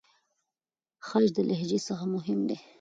خج د لهجې څخه مهم دی.